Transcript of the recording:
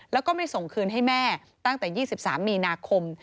แล้วก็ไม่ส่งคืนให้แม่ตั้งแต่๒๓มีนาคม